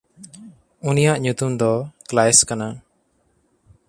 ᱩᱱᱤᱭᱟᱜ ᱧᱩᱛᱩᱢ ᱫᱚ ᱠᱞᱟᱭᱥ ᱠᱟᱱᱟ᱾